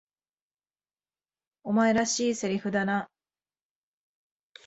お前らしい台詞だな。